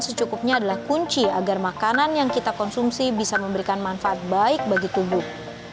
secukupnya adalah kunci agar makanan yang kita konsumsi bisa memberikan manfaat baik bagi tubuh